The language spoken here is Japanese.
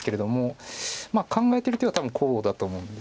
考えてる手は多分こうだと思うんですよね。